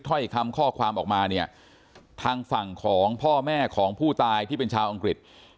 ถ้อยคำข้อความออกมาเนี่ยทางฝั่งของพ่อแม่ของผู้ตายที่เป็นชาวอังกฤษ